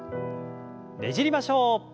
ねじりましょう。